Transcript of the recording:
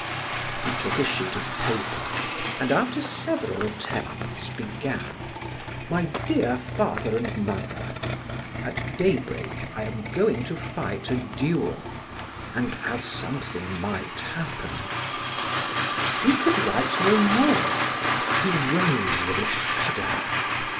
He took a sheet of paper and after several attempts began: "My dear father and mother:" "At daybreak I am going to fight a duel, and as something might happen " He could write no more, he rose with a shudder.